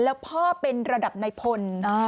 แล้วพ่อเป็นระดับในพล